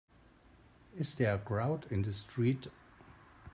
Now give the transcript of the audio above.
Is there a crowd in the street?